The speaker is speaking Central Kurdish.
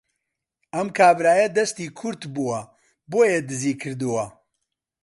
ئەم کابرایە دەستی کورت بووە بۆیە دزی کردووە